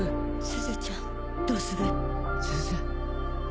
すずちゃん。どうする？